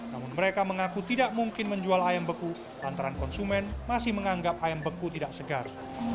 namun mereka mengaku tidak mungkin menjual ayam beku lantaran konsumen masih menganggap ayam beku tidak segar